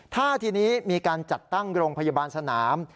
ถ้าทีนี้มีการจัดตั้งโรงพยาบาลสนาม